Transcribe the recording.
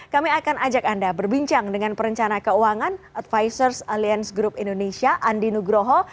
kami akan ajak anda berbincang dengan perencana keuangan advisors aliance group indonesia andi nugroho